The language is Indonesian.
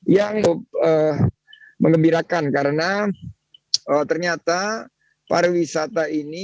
yang untuk mengembirakan karena ternyata para wisata ini